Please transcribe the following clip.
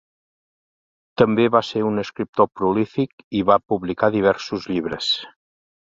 També va ser un escriptor prolífic i va publicar diversos llibres.